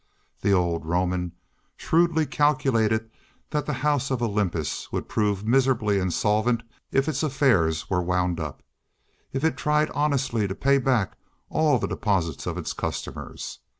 The old Roman shrewdly calculated that the House of Olympus would prove miserably insolvent if its affairs were wound up, if it tried honestly to pay back all the deposits of its customers.